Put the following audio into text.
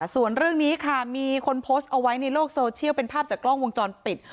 ส่วนเรื่องนี้ค่ะมีคนโพสต์เอาไว้ในโลกโซเชียลเป็นภาพจากกล้องวงจรปิด